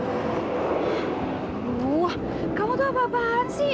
aduh kamu tuh apa apaan sih